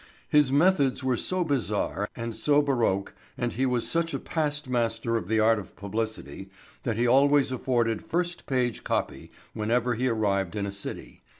His methods were so bizarre and so baroque and he was such a past master of the art of publicity that he always afforded first page "copy" whenever he arrived in a city.